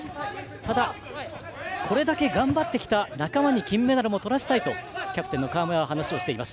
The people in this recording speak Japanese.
ただ、これだけ頑張ってきた仲間に金メダルをとらせたいとキャプテンの川村は話します。